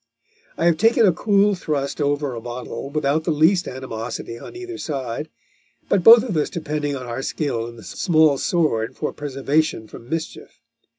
I have taken a cool thrust over a bottle, without the least animosity on either side, but both of us depending on our skill in the small sword for preservation from mischief.